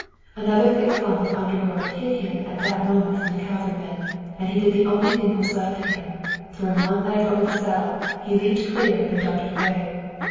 Another thick clump of undergrowth hid him at that moment from the cavalrymen, and he did the only thing that was left to him. Throwing one leg over the saddle, he leaped clear and darted away.